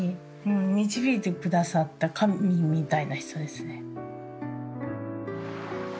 導いてくださった神みたいな人ですね。